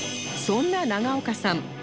そんな永岡さん